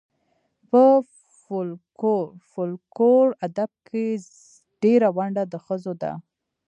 په فولکور ادب کې ډېره ونډه د ښځو ده.